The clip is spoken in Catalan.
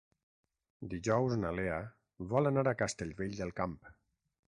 Dijous na Lea vol anar a Castellvell del Camp.